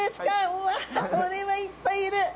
うわこれはいっぱいいる。